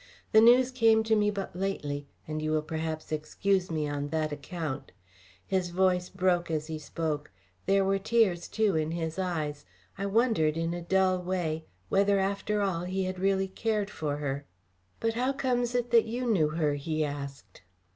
The news came to me but lately, and you will perhaps excuse me on that account." His voice broke as he spoke; there were tears, too, in his eyes. I wondered, in a dull way, whether after all he had really cared for her. "But how comes it that you knew her?" he asked.